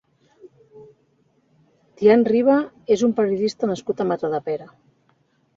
Tian Riba és un periodista nascut a Matadepera.